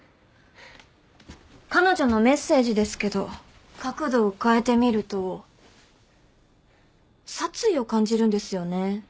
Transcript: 彼女のメッセージですけど角度を変えて見ると殺意を感じるんですよね。